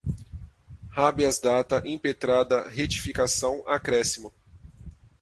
habeas data, impetrada, retificação, acréscimo